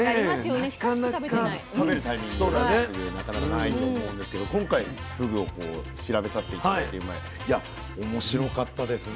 なかなか食べるタイミングふぐなかなかないと思うんですけど今回ふぐを調べさせて頂いていや面白かったですね。